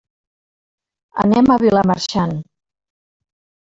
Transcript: Anem a Vilamarxant.